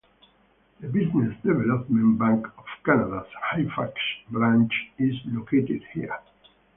The Business Development Bank of Canada's Halifax branch is located here.